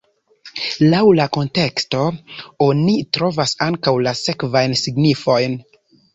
Laŭ la konteksto oni trovas ankaŭ la sekvajn signifojn.